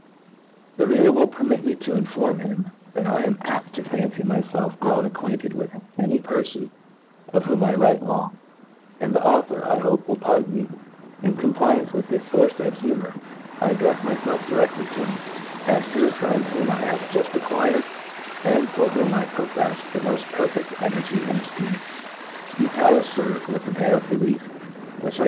The reader will permit me to inform him^ that I am apt to fancy myfelf grown acquainted with any perfon of whom I write long j and the author, I hope, will pardon me, if, in compliance with this forelsud humour, I addreft myfelf direftly to him, as to a friend whom I have juft acquired, and for whom I profcfi the moft perfeS energy and efteem. <« You tfcll us. Sir, with an air of belief, which I.